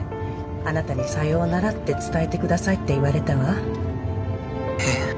あなたにさようならって伝えてくださいって言われたわ☎えっ？